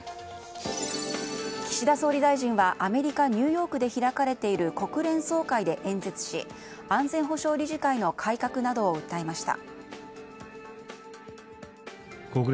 岸田総理大臣はアメリカ・ニューヨークで開かれている国連総会で演説し安全保障理事会の改革などを訴えました。